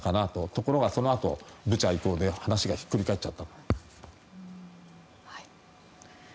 ところが、そのあとブチャ以降で話がひっくり返っちゃった。